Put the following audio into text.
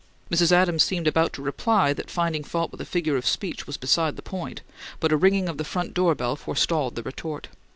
Mrs. Adams seemed about to reply that finding fault with a figure of speech was beside the point; but a ringing of the front door bell forestalled the retort.